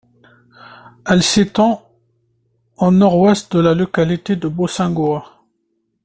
Elle s’étend au nord-ouest de la localité de Bossangoa.